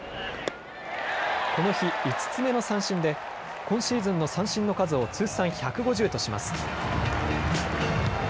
この日、５つ目の三振で今シーズンの三振の数を通算１５０とします。